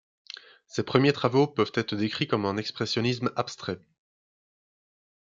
Ses premiers travaux peuvent être décrits comme un expressionnisme abstrait.